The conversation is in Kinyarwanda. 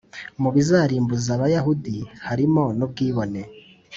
mu bizarimbuza aBayahudi harimo nubwibone